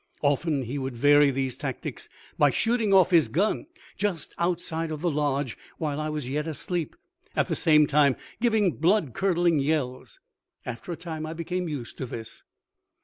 Often he would vary these tactics by shooting off his gun just outside of the lodge while I was yet asleep, at the same time giving blood curdling yells. After a time I became used to this.